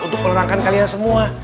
untuk menerangkan kalian semua